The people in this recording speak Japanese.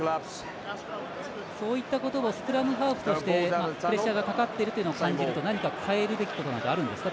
そういったことをスクラムハーフとしてプレッシャーがかかってるというのを感じると何か変えるべきこととかあるのですか？